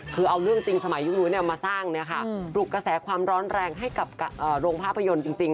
คือเอาเรื่องจริงสมัยยุคนู้นมาสร้างปลุกกระแสความร้อนแรงให้กับโรงภาพยนตร์จริง